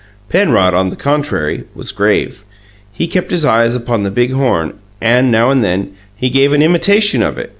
Penrod, on the contrary, was grave. He kept his eyes upon the big horn, and, now and then, he gave an imitation of it.